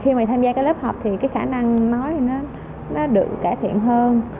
khi mà tham gia cái lớp học thì cái khả năng nói thì nó được cải thiện hơn